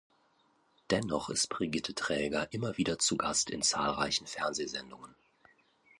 Dennoch ist Brigitte Traeger immer wieder zu Gast in zahlreichen Fernsehsendungen.